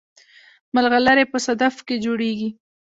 ملغلرې په صدف کې جوړیږي